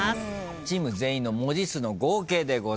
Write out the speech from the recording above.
チーム全員の文字数の合計でございます。